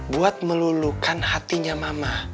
buat melulukan hatinya mama